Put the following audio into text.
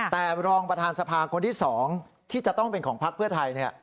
แต่รองประธานสภาคนที่๒ที่จะต้องเป็นของพักเพื่อไทย